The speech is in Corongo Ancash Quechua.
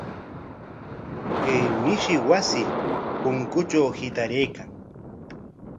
Chay mishi wasi punkutraw hitaraykan.